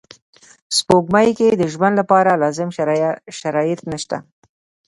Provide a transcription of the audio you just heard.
سپوږمۍ کې د ژوند لپاره لازم شرایط نشته